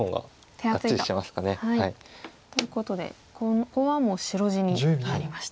手厚いと。ということでここはもう白地になりました。